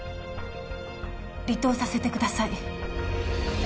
離党させてください。